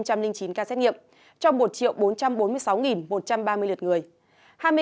số lượng xét nghiệm trong một bốn trăm bốn mươi sáu một trăm ba mươi liệt người